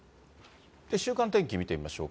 週間天気見てみましょうか。